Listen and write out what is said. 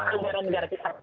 peranggaran negara kita